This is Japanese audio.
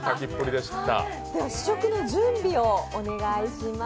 試食の準備をお願いします。